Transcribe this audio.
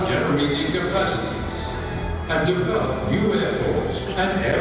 tiga puluh lima juta megawatt kapasitas yang menghasilkan daya